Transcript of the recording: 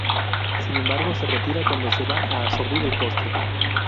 Sin embargo, se retira cuando se va a servir el postre.